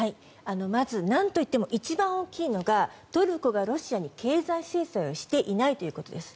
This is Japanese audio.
まず、何といっても一番大きいのがトルコがロシアに経済制裁をしていないということです。